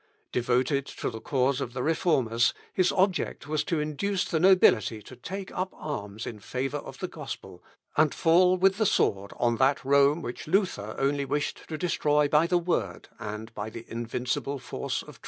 Devoted to the cause of the Reformers, his object was to induce the nobility to take up arms in favour of the gospel, and fall with the sword on that Rome which Luther only wished to destroy by the Word, and by the invincible force of truth.